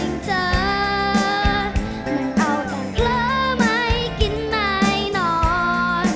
มึงเอาจังเผลอไม่กินไม่นอน